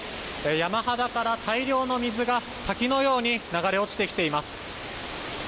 山肌から大量の水が滝のように流れ落ちてきています。